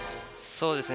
そうですね。